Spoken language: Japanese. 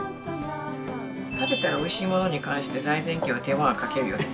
食べたらおいしいものに関して財前家は手間はかけるよね。